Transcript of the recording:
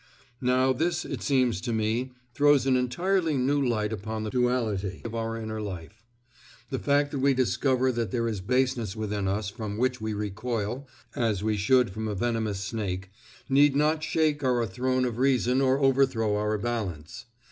Now this, it seems to me, throws an entirely new light upon the duality of our inner life. The fact that we discover that there is baseness within us from which we recoil as we should from a venomous snake, need not shake our throne of reason or overthrow our balance.